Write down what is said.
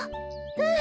うん。